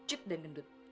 cip dan bendut